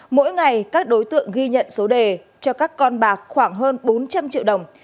mỗi ngày các đối tượng ghi nhận số đề cho các con bạc khoảng hơn bốn trăm linh triệu đồng